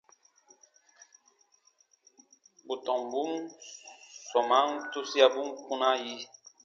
Bù tɔmbun sɔmaan tusiabun kpunaa yi.